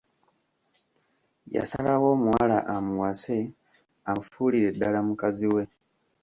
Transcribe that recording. Yasalawo omuwala amuwase amufuulire ddala mukazi we.